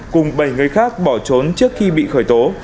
cùng bảy người khác bỏ trốn trước khi bị khởi tố